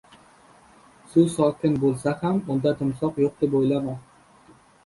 • Suv sokin bo‘lsa ham unda timsoh yo‘q deb o‘ylama.